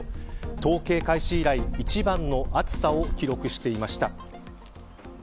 統計開始以来一番の暑さを記録していました。